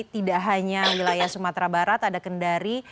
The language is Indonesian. tidak hanya wilayah sumatera barat ada kendari